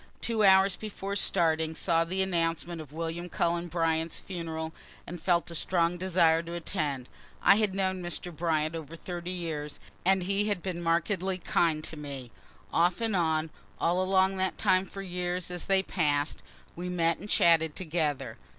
Two hours before starting, saw the announcement of William Cullen Bryant's funeral, and felt a strong desire to attend. I had known Mr. Bryant over thirty years ago, and he had been markedly kind to me. Off and on, along that time for years as they pass'd, we met and chatted together.